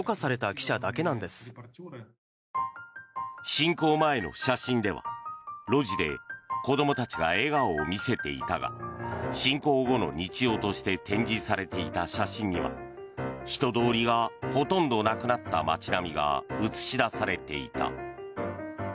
侵攻前の写真では、路地で子どもたちが笑顔を見せていたが侵攻後の日常として展示されていた写真には人通りがほとんどなくなった街並みが写し出されていた。